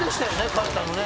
帰ったのね。